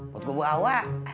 buat gua buk awa